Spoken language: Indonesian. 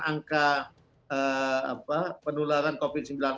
angka penularan covid sembilan belas